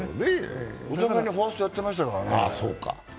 お互いにファーストやってましたからね。